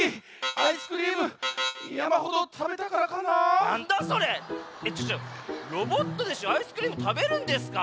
アイスクリームたべるんですか？